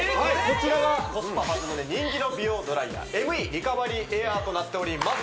こちらがコスパ抜群で人気の美容ドライヤーＭＥリカバリーエアーとなっております